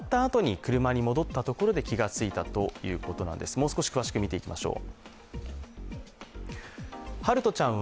もう少し詳しく見ていきましょう。